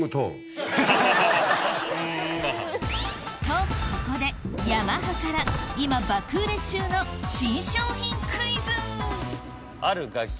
とここでヤマハから今爆売れ中の新商品クイズ！えっ？